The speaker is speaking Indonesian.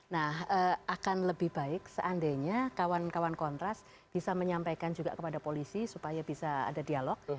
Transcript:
nah akan lebih baik seandainya kawan kawan kontras bisa menyampaikan juga kepada polisi supaya bisa ada dialog